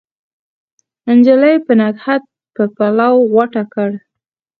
نجلۍ نګهت په پلو غوټه کړ